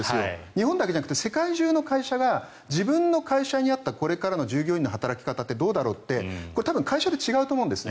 日本だけじゃなくて世界中の会社が自分の会社に合ったこれからの従業員の働き方ってどうだろうって多分会社で違うと思うんです。